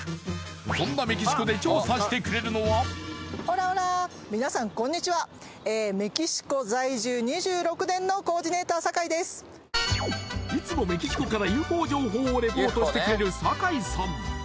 そんなメキシコでみなさんこんにちはいつもメキシコからＵＦＯ情報をリポートしてくれる酒井さん